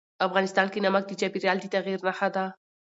افغانستان کې نمک د چاپېریال د تغیر نښه ده.